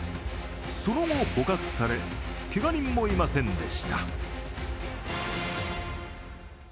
その後捕獲され、けが人もいませんでした。